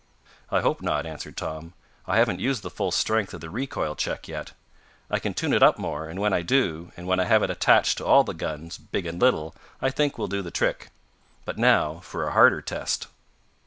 "I hope not," answered Tom. "I haven't used the full strength of the recoil check yet. I can tune it up more, and when I do, and when I have it attached to all the guns, big and little, I think we'll do the trick. But now for a harder test."